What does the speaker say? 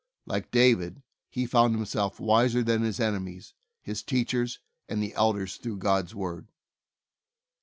Like David, he found himself wiser than his enemies, his teachers, and the elders, through God's Word.